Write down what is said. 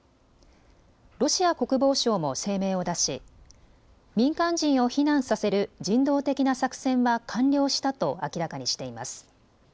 ロシア国防省も声明を出し民間人を避難させる人道的な作戦は完了したと明らかにしています。